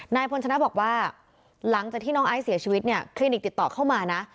นายพลชนะบอกว่าหลังจากที่น้องไอซ์เสียชีวิตเนี่ยคลินิกติดต่อเข้ามานะ